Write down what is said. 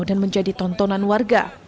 dan menjadi tontonan warga